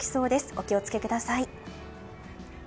お気を付けください。